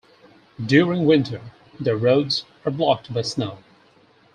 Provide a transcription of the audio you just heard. During winter, the roads are blocked by snow.